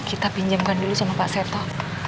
kita pinjamkan dulu sama pak seto